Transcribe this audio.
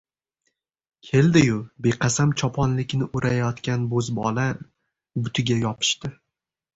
Keldi-yu, beqasam choponlikni urayotgan bo‘zbola butiga yopishdi.